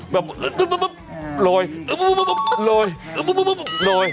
แบบโรยโรยโรย